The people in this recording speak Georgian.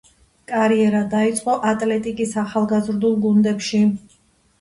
კარიერა დაიწყო „ატლეტიკის“ ახალგაზრდულ გუნდებში.